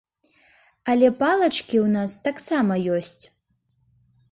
Але палачкі ў нас таксама ёсць.